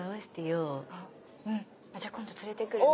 うんじゃあ今度連れてくるね。